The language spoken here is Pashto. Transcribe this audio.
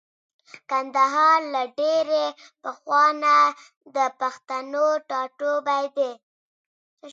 کندهار له ډېرې پخوانه د پښتنو ټاټوبی دی.